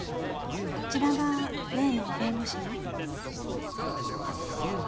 こちらが例の弁護士の？